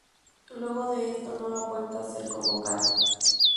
Luego de esto, no ha vuelto a ser convocado.